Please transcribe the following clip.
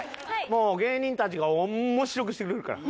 もう芸人たちが面白くしてくれるから。